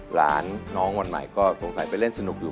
หลานน้องวันใหม่ก็สงสัยไปเล่นสนุกอยู่